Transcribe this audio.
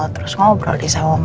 terus ngobrol di sawah sama ya